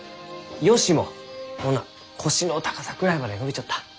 ヨシもこんな腰の高さくらいまで伸びちょった。